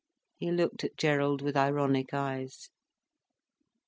He looked at Gerald with ironic eyes.